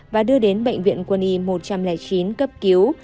và đưa đến bệnh viện quân y một trăm linh chín cấp cứu